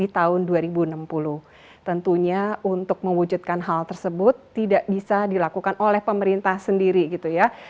tentunya untuk mewujudkan hal tersebut tidak bisa dilakukan oleh pemerintah sendiri gitu ya